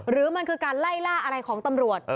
หรือมันคือการไล่ล่าอะไรของตำรวจ